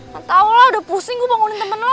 gak tau lah udah pusing gue bangunin temen lo